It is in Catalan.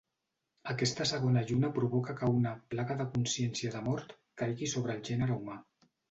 Aquesta segona lluna provoca que una "plaga de consciència de mort" caigui sobre el gènere humà.